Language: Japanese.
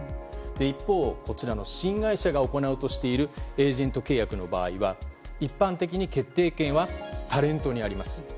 一方、新会社が行うとしているエージェント契約の場合は一般的に決定権はタレントにあります。